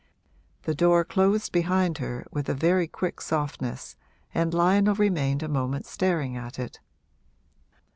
The door closed behind her with a very quick softness and Lionel remained a moment staring at it.